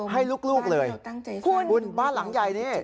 ให้ลูกเลยบ้านหลังใหญ่นี้